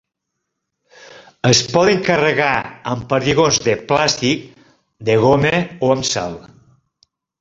Es poden carregar amb perdigons de plàstic, de goma o amb sal.